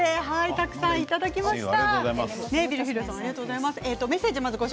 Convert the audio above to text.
たくさんいただきました。